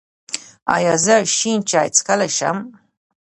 ایا زه شین چای څښلی شم؟